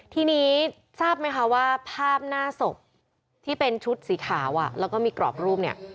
ทีนี้ทราบไหมคะว่าภาพหน้าศพที่เป็นชุดสีขาวแล้วก็มีกรอบรูปเนี่ย